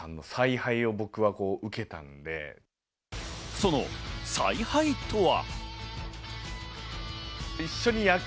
その采配とは。